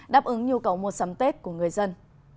đáp ứng nhu cầu mua sắm tết của người dân